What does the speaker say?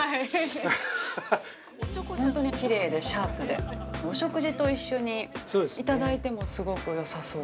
本当にきれいでシャープでお食事と一緒にいただいてもすごくよさそう。